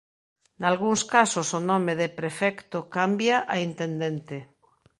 Nalgúns casos o nome de prefecto cambia a Intendente.